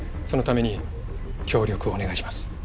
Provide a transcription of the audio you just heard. そのために協力をお願いします。